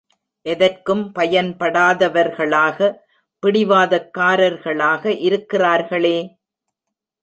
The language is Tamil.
எதற்கும் பயன்படாதவர்களாக பிடிவாதக்காரர்களாக இருக்கிறார்களே!